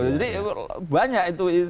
jadi banyak itu